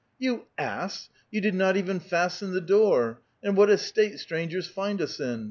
" You ass ! you did not even fasten the door — and what a state strangers find us in